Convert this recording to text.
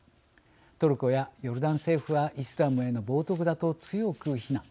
トルコやヨルダン政府はイスラムへの冒涜だと強く非難。